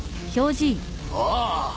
ああ。